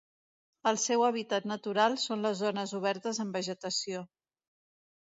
El seu hàbitat natural són les zones obertes amb vegetació.